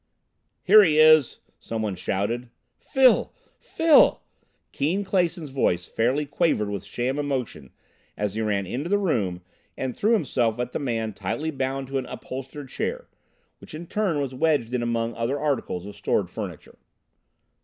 "Here he is!" someone shouted. "Phil! Phil!" Keane Clason's voice fairly quavered with sham emotion as he ran into the room and threw himself at a man tightly bound to an upholstered chair, which in turn was wedged in among other articles of stored furniture.